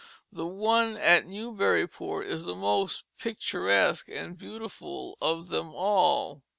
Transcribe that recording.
The one at Newburyport is the most picturesque and beautiful of them all.